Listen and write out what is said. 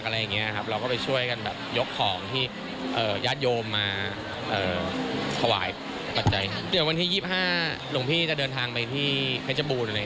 เดี๋ยววันที่๒๕หลวงพี่จะเดินทางไปที่เทชบูรณ์